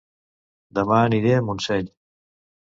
Dema aniré a Montseny